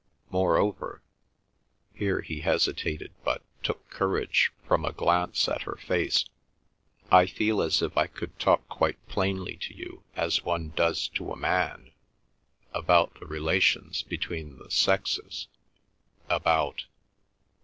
Moreover—" here he hesitated, but took courage from a glance at her face, "I feel as if I could talk quite plainly to you as one does to a man—about the relations between the sexes, about